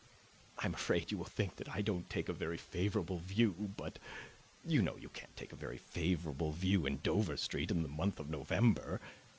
I am afraid you will think that I don't take a very favorable view; but you know you can't take a very favorable view in Dover Street in the month of November.